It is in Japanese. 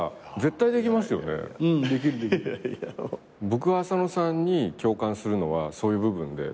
僕が浅野さんに共感するのはそういう部分で。